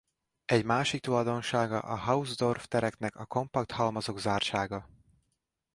Egy másik tulajdonsága a Hausdorff-tereknek a kompakt halmazok zártsága.